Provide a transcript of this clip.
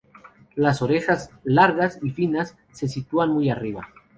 Las orejas, largas y finas, se sitúan muy arriba.